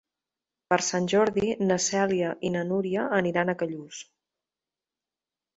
Per Sant Jordi na Cèlia i na Núria aniran a Callús.